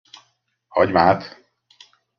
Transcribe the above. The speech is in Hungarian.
Hagymát?